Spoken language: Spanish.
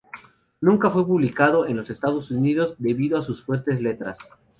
Nunca fue publicado en los Estados Unidos, debido a sus fuertes letras.